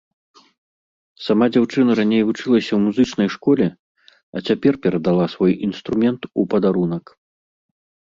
Сама дзяўчына раней вучылася ў музычнай школе, а цяпер перадала свой інструмент у падарунак.